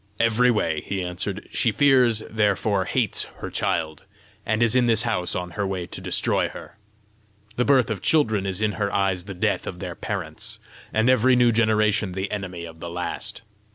"Every way," he answered. "She fears, therefore hates her child, and is in this house on her way to destroy her. The birth of children is in her eyes the death of their parents, and every new generation the enemy of the last.